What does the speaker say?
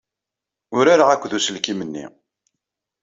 Urareɣ akked uselkim-nni.